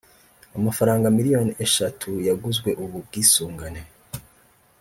Amafaranga miliyoni eshatu yaguzwe ubu bwisungane